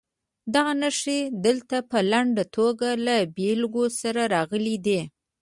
دغه نښې دلته په لنډه توګه له بېلګو سره راغلي دي.